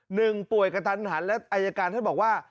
หนึ่งป่วยกระทันหันและอายการท่านบอกว่า